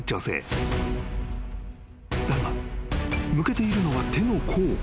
［だが向けているのは手の甲］